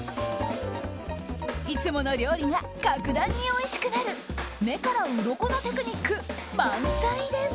いつもの料理が格段においしくなる目からうろこのテクニック満載です。